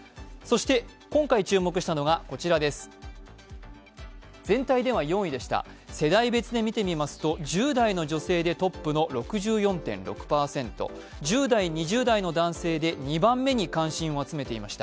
今回注目したのがこちら、全体では４位でした世代別で見てみますと１０代の女性でトップの６４．６％１０代、２０代の男性で２番目に関心を集めていました。